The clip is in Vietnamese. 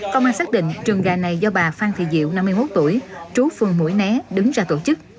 công an xác định trường gà này do bà phan thị diệu năm mươi một tuổi trú phường mũi né đứng ra tổ chức